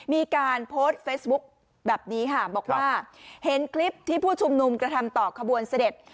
มีการโพสต์เฟซบุ๊คแบบนี้ค่ะบอกว่าเห็นคลิปที่ผู้ชุมนุมกระทำต่อขบวนเสด็จ